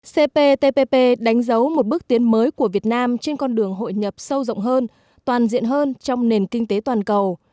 cptpp đánh dấu một bước tiến mới của việt nam trên con đường hội nhập sâu rộng hơn toàn diện hơn trong nền kinh tế toàn cầu